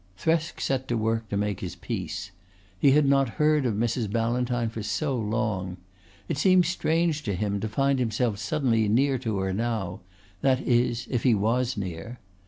Thresk set to work to make his peace. He had not heard of Mrs. Ballantyne for so long. It seemed strange to him to find himself suddenly near to her now that is if he was near.